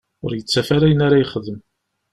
Ur yettaf ara ayen ara yexdem.